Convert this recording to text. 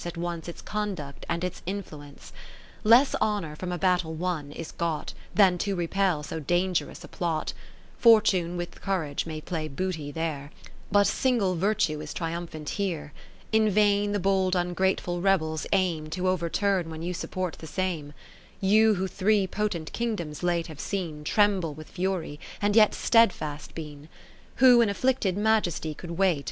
At once its conduct and its influence. Less honour from a battle won, is got, Than to repel so dangerous a plot ; Fortune with Courage may play booty there, 1 1 But single Virtue is triumphant here : In vain the bold ungrateful rebels aim To overturn when you support the same : j You who three potent Kingdoms late have seen Tremble with fury, and yet steadfast been; WTio an afflicted Majesty could wait.